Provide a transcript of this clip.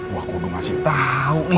wah kudu masih tau nih